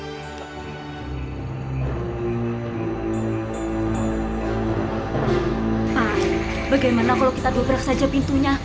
nah bagaimana kalau kita dobrak saja pintunya